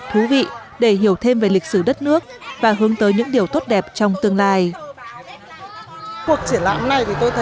thú vị để hiểu thêm về lịch sử đất nước và hướng tới những điều tốt đẹp trong tương lai